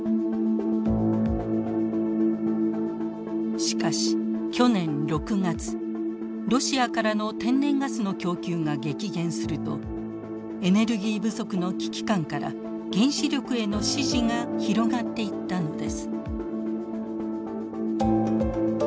しかし去年６月ロシアからの天然ガスの供給が激減するとエネルギー不足の危機感から原子力への支持が広がっていったのです。